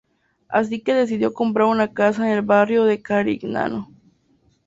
Así que decidió comprar una casa en el barrio de Carignano.